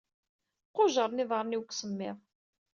Qujjren iḍaṛṛen-iw seg usemmiḍ.